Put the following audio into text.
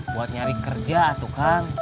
buat nyari kerja tuh kang